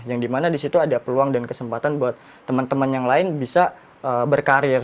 yang dimana disitu ada peluang dan kesempatan buat teman teman yang lain bisa berkarir